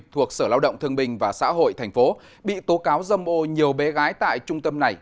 thuộc sở lao động thương bình và xã hội thành phố bị tố cáo dâm ô nhiều bé gái tại trung tâm này